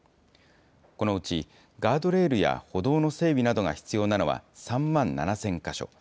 このうち、ガードレールや歩道の整備などが必要なのは３万７０００か所。